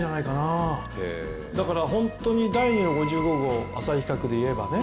だから本当に第２の５５号浅井企画で言えばね。